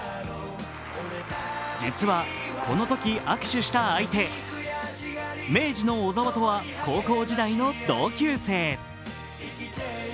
実はこのとき握手した相手、明治の小澤とは高校時代の同級生。